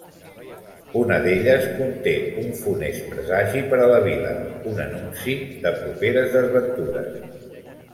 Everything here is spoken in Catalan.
Una d'elles conté un funest presagi per a la vila, un anunci de properes desventures.